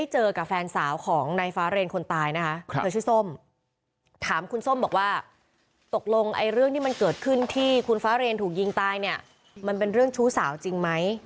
หลังลงเรื่องที่เกิดขึ้นที่คุณฟ้าเรนถูกยิงตายมันเป็นเรื่องชู้สาวจริงไหม